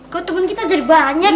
kok teman kita jadi banyak